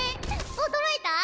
驚いた？